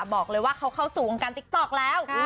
บอกเลยว่าเข้าสู่กันกันติ๊กต๊อกแล้ว